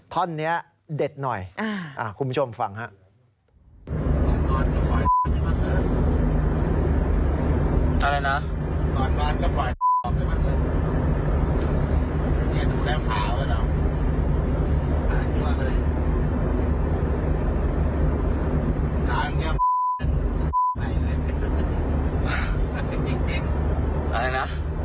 ทอนเนี้ยเด็ดหน่อย